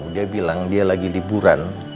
dia bilang dia lagi liburan